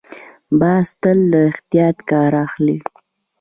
باز تل له احتیاط کار اخلي